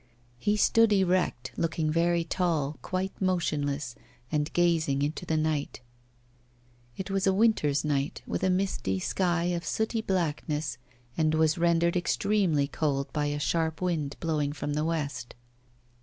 He stood erect, looking very tall, quite motionless, and gazing into the night. It was a winter's night, with a misty sky of sooty blackness, and was rendered extremely cold by a sharp wind blowing from the west.